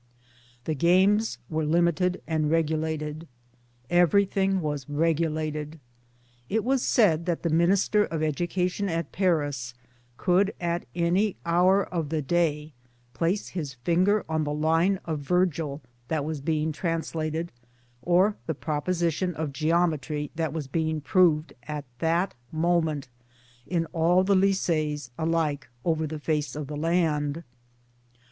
The games were limited and regulated. Everything was regulated. It was said that the Minister of Education at Paris could at any hour of the day place his finger on the line of Virgil that was being translated, or the proposition of Geometry that was being proved at that moment in all the Lycees alike over the face of the land.